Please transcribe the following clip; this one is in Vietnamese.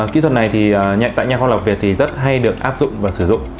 kỹ thuật này thì nhạy tại nhà khoa học việt thì rất hay được áp dụng và sử dụng